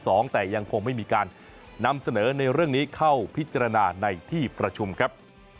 แต่ยังคงไม่มีการนำเสนอในเรื่องนี้เข้าพิจารณาในที่ประชุมครับ